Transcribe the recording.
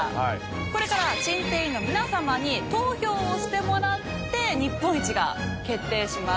これから珍定委員の皆様に投票をしてもらって日本一が決定します。